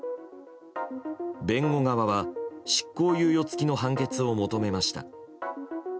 弁護側は執行猶予付きの判決を求めました。